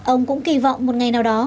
ông cũng kỳ vọng một ngày nào đó